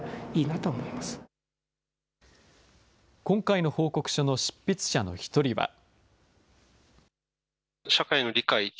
今回の報告書の執筆者の１人は。